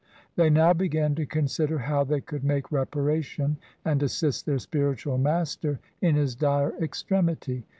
They now began to consider how they could make reparation and assist their spiritual master in his dire extremity.